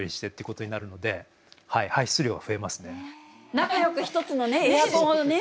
仲良く一つのエアコンをね